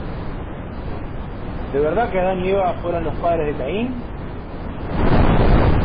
¿De verdad que Adán y Eva fueron los padres de Caín?